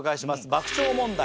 爆笑問題。